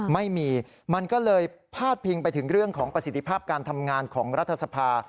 ไม่มีมันก็เลยพาดพิงไปถึงเรื่องของประสิทธิภาพการทำงานของรัฐสภา